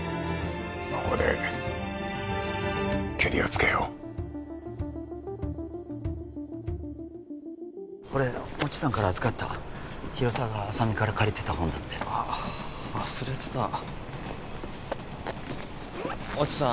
ここでケリをつけようこれ越智さんから預かった広沢が浅見から借りてた本だってああ忘れてた越智さん